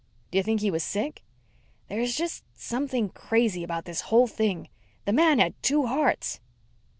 "Do you think he was sick?" "There's just something crazy about this whole thing. The man had two hearts."